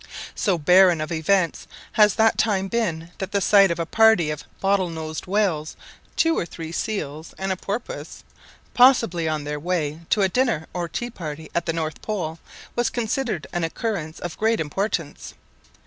So barren of events has that time been that the sight of a party of bottle nosed whales, two or three seals, and a porpoise, possibly on their way to a dinner or tea party at the North Pole, was considered an occurrence of great importance.